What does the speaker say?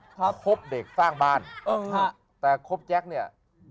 ส่งเด็กสร้างบ้านเเหรอค่ะ